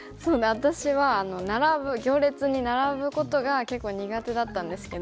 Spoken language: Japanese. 私は行列に並ぶことが結構苦手だったんですけど。